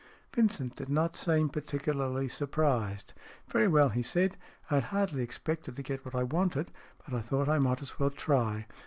Vincent did not seem particularly surprised. " Very well, " he said. " I had hardly expected to get what I wanted, but I thought I might as well try.